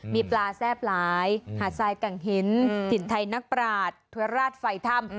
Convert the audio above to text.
มีปลาแซ่บหลายหาดทรายแก่งหินถิ่นไทยนักปราศถั่วราชไฟถ้ำ